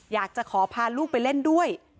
อยากจะขอพาลูกไปเล่นด้วย